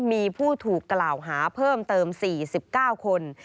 มีผู้ถูกกล่าวหาเพิ่มเติม๔๙คน